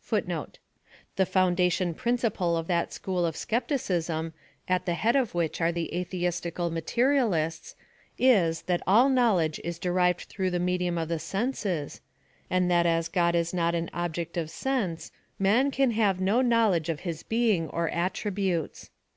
f ♦ Ex. 25 : 9. t The foundation principle of that school of skepticism, at the head of wliich are the atheistical materialists, is, that all know ledge is derived through the medium of the senses, and that aj God is not an object of sense, men can have no knowledge of his being or attributes.